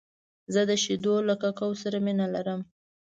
زه د شیدو له ککو سره مینه لرم .